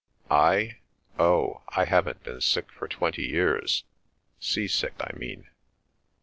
"I? Oh, I haven't been sick for twenty years—sea sick, I mean."